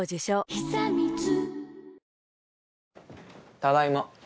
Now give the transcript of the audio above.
ただいま。